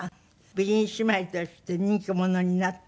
美人姉妹として人気者になって。